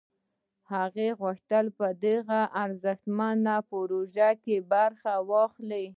هغه غوښتل په دې ارزښتمنه پروژه کې برخه واخلي